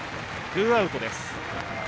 ツーアウトです。